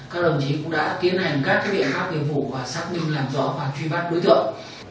các đồng chí cũng đã tiến hành các việc các nhiệm vụ xác minh làm rõ và truy bắt đối tượng